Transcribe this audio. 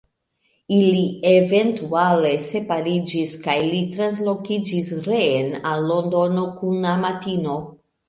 Ili eventuale separiĝis kaj li translokiĝis reen al Londono kun amatino.